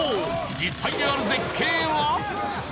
実際にある絶景は。